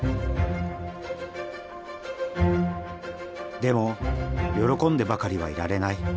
でも喜んでばかりはいられない。